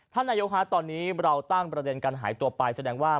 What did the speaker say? นายกตอนนี้เราตั้งประเด็นการหายตัวไปแสดงว่า